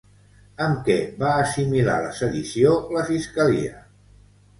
Amb què va assimilar la sedició, la fiscalia?